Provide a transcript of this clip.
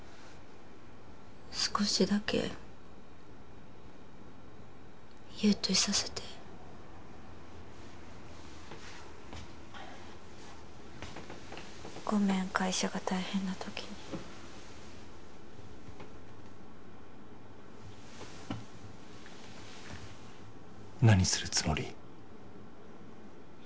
少しだけ優といさせてごめん会社が大変なときに何するつもり？